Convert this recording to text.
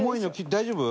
大丈夫？